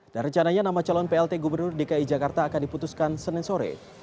dan rencananya nama calon plt gubernur dki jakarta akan diputuskan senin sore